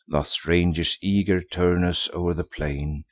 Thus ranges eager Turnus o'er the plain.